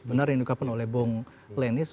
benar yang diungkapkan oleh bung lenis